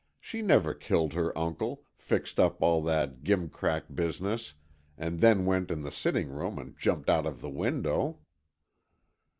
She never killed her uncle, fixed up all that gimcrack business and then went in the sitting room and jumped out of the window!"